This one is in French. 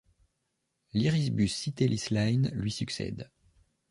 L’Irisbus Citelis Line lui succède.